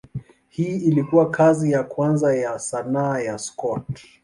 Hii ilikuwa kazi ya kwanza ya sanaa ya Scott.